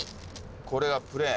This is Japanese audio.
これがプレーン？